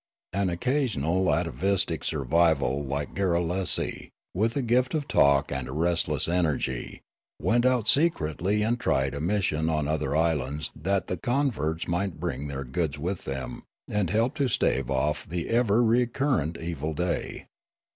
An occasional atavistic survival like Garrulesi, with a gift of talk and a restless energy, went out secretly and tried a mission on. other islands that the converts might bring their goods with them and help to stave off the ever recur rent evil day.